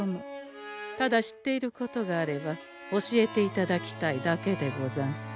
ただ知っていることがあれば教えていただきたいだけでござんす。